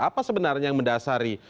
apa sebenarnya yang mendasari